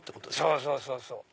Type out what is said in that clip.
そうそうそうそう。